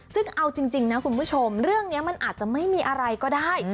ซึ่งเอาจริงนะคุณผู้ชมเรื่องนี้มันอาจจะไม่มีอะไรก็ได้